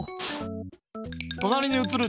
となりにうつる。